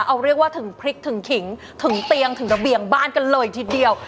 เอาเรียกว่าถึงพริกถึงขิงถึงเตียงถึงระเบียงบ้านกันเลยทีเดียว